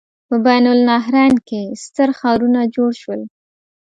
په بین النهرین کې ستر ښارونه جوړ شول.